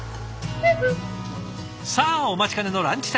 さあお待ちかねのランチタイム。